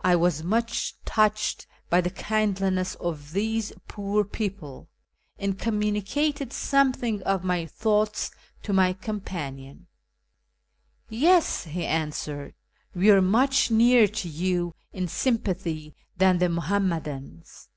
I was much touched by the kindliness of these poor people, and communicated something of my thoughts to my companion. 2l6 A YEAR AMONGST THE PERSIANS " Yes," he answered, " we are much nearer to yon in sym pathy than the IMuhammadans.